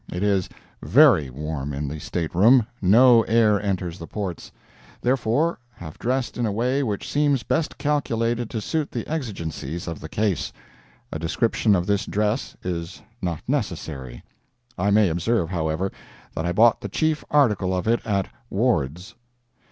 It is Very warm in the stateroom, no air enters the ports. Therefore, have dressed in a way which seems best calculated to suit the exigencies of the case. A description of this dress is not necessary. I may observe, however, that I bought the chief article of it at "Ward's."